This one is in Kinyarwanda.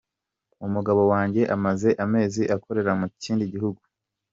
Umugabo wanjye amaze amezi akorera mu kindi gihugu”.